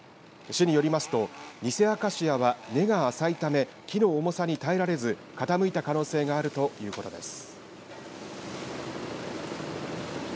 市によりますと、ニセアカシアは根が浅いため木の重さに耐えられず傾いた可能性があるということです。